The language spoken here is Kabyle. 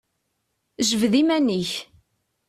Jbed iman-ik!